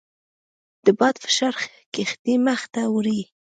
د باد فشار کښتۍ مخ ته وړي.